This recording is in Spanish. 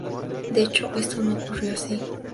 De hecho, esto no ocurrió así.